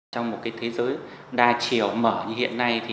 trong một thế giới đa chiều mở như hiện nay